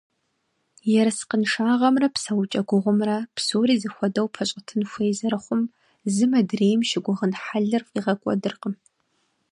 Ерыскъыншагъэмрэ псэукӏэ гугъумрэ псори зэхуэдэу пэщӏэтын хуей зэрыхъум зым адрейм щыгугъын хьэлыр фӏигъэкӏуэдыркъым.